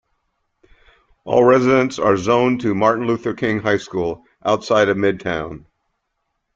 All residents are zoned to Martin Luther King High School, outside of Midtown.